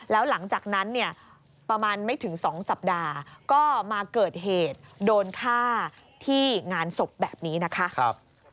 แล้วหลังจากนั้นเนี่ยประมาณไม่ถึง๒สัปดาห์ก็มาเกิดเหตุโดนฆ่าที่งานศพแบบนี้นะคะ